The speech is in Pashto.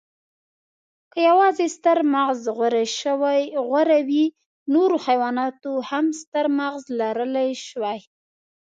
که یواځې ستر مغز غوره وی، نورو حیواناتو هم ستر مغز لرلی شوی.